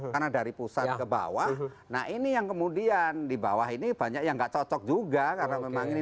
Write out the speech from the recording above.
karena dari pusat ke bawah nah ini yang kemudian di bawah ini banyak yang nggak cocok juga karena memang ini